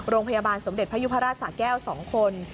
โรงพยาบาลสมเด็จพยุพราชสะแก้ว๒คน